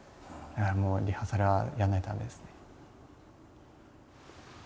もうリハーサルはやらないと駄目ですね。